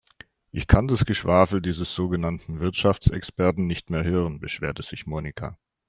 Ich kann das Geschwafel dieses sogenannten Wirtschaftsexperten nicht mehr hören, beschwerte sich Monika.